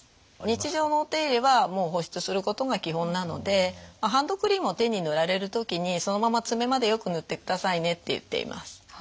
日常のお手入れはもう保湿することが基本なのでハンドクリームを手に塗られる時に「そのまま爪までよく塗ってくださいね」って言っています。